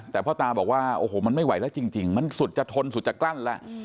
แต่พ่อตาบอกว่าโอ้โหมันไม่ไหวแล้วจริงมันสุดจะทนสุดจะกลั้นแล้ว